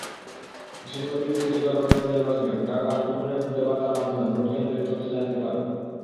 আসন্ন তিন city corporation নির্বাচনে ভোটাররা মুঠোফোনের খুদেবার্তার মাধ্যমে ভোটকেন্দ্রের তথ্য জানতে পারবেন।